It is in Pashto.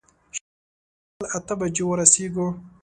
شېرګل وويل اته بجې ورسيږو.